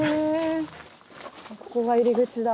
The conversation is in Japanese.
ここが入り口だ。